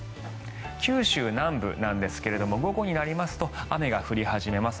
九州南部なんですが午後になりますと雨が降り始めます。